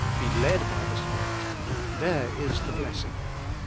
"Be led by the Spirit." There ^5 the blessing.